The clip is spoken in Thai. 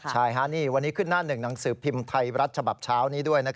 ใช่นี่วันนี้ขึ้นหน้าหนึ่งหนังสือพิมพ์ไทยรัฐฉบับเช้านี้ด้วย